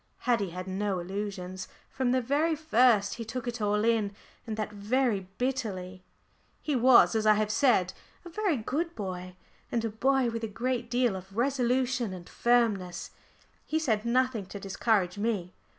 Haddie had no illusions. From the very first he took it all in, and that very bitterly. But he was, as I have said, a very good boy, and a boy with a great deal of resolution and firmness. He said nothing to discourage me.